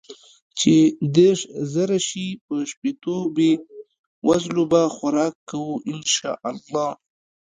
چې ديرش زره شي په شپيتو بې وزلو به خوراک کو ان شاء الله.